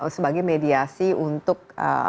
sebagai mediasi untuk